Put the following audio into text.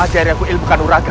ajarin aku ilmu kanuraga